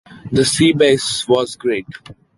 That seabass was great.